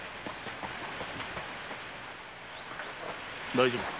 大丈夫か？